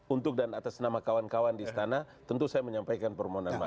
untuk dan atas nama kawan kawan di istana tentu saya menyampaikan permohonan maaf